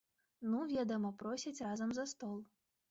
Ну, ведама, просяць разам за стол.